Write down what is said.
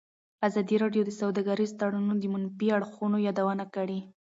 ازادي راډیو د سوداګریز تړونونه د منفي اړخونو یادونه کړې.